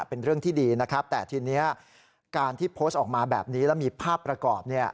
เป็นเรื่องที่ดีนะครับแต่ทีนี้การที่โพสต์ออกมาแบบนี้แล้วมีภาพประกอบเนี่ย